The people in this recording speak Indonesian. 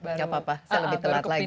gak apa apa saya lebih telat lagi